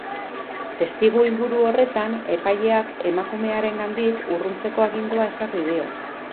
Testuinguru horretan, epaileak emakumearengandik urruntzeko agindua ezarri dio.